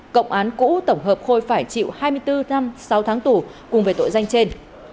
cộng án cũ tổng hợp khôi phải chịu hai mươi bốn năm sáu tháng tù cùng với tội danh trên